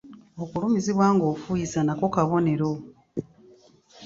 Okulumizibwa ng’ofuuyisa nako kabonero.